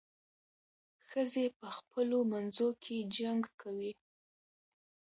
ښځې په خپلو منځو کې جنګ کوي.